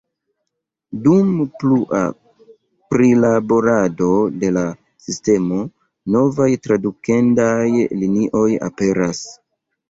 Dum plua prilaborado de la sistemo, novaj tradukendaj linioj aperas.